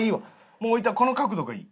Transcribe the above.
もう置いたこの角度がいい。